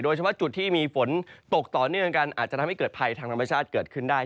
เฉพาะจุดที่มีฝนตกต่อเนื่องกันอาจจะทำให้เกิดภัยทางธรรมชาติเกิดขึ้นได้